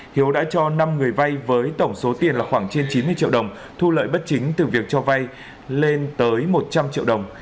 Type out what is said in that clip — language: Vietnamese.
hiếu đã cho năm người vay với tổng số tiền là khoảng trên chín mươi triệu đồng thu lợi bất chính từ việc cho vay lên tới một trăm linh triệu đồng